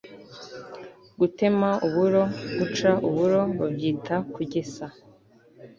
gutema uburo/guca uburo babyita kugesa